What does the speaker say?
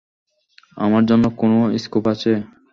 আমার জন্য কোনও স্কুপ আছে?